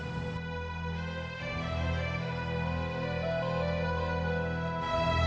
kita sudah berdua